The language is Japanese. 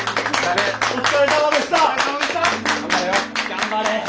頑張れよ。